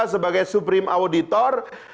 sebagai supreme auditor